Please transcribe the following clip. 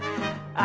あ。